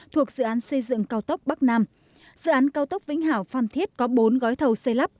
thuộc dự án xây dựng cao tốc bắc nam dự án cao tốc vĩnh hảo phan thiết có bốn gói thầu xây lắp